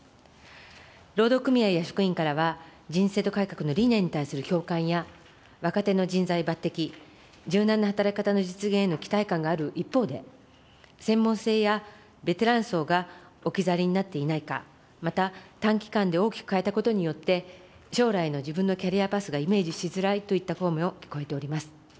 労働組合や職員からは、人事制度改革の理念に対する共感や、若手の人材抜てき、柔軟な働き方の実現への期待感がある一方で、専門性やベテラン層が置き去りになっていないか、また、短期間で大きく変えたことによって、将来の自分のキャリアパスがイメージしづらいといった声も聞こえております。